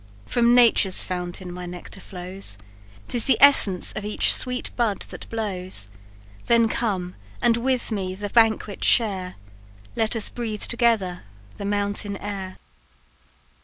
"From nature's fountain my nectar flows, 'Tis the essence of each sweet bud that blows; Then come, and with me the banquet share, Let us breathe together the mountain air!"